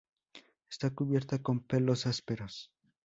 Está cubierta con pelos ásperos.